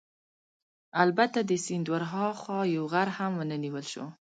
البته د سیند ورهاخوا یو غر هم ونه نیول شو.